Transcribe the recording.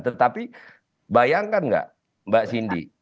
tetapi bayangkan nggak mbak cindy